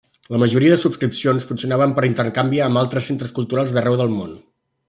La majoria de subscripcions funcionaven per intercanvi amb altres centres culturals d'arreu del món.